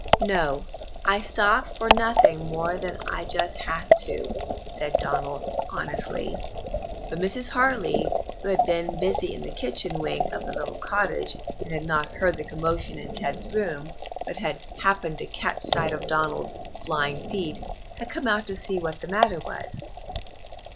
"No; I stopped for nothing more than I just had to," said Donald honestly; but Mrs. Hartley, who had been busy in the kitchen wing of the little cottage, and had not heard the commotion in Ted's room, but had happened to catch sight of Donald's flying heels, had come out to see what the matter was.